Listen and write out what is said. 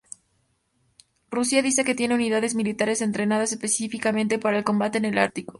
Rusia dice que tiene unidades militares entrenadas específicamente para el combate en el Ártico.